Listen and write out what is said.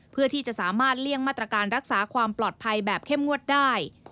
เพื่อที่จะสามารถเลี่ยงมาตรการรักษาความปลอดภัยแบบเข้มงวดได้